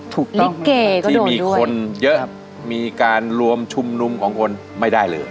ที่มีคนเยอะมีการรวมชุมนุมของคนไม่ได้เลย